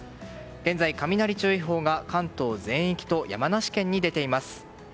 現在、雷注意報が関東全域と山梨県に出ています。